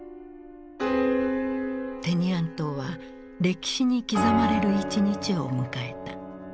テニアン島は歴史に刻まれる一日を迎えた。